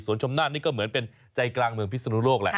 ส่วนชมนาศนี่ก็เหมือนเป็นใจกลางเมืองพิศนุโลกแหละ